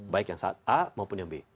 baik yang saat a maupun yang b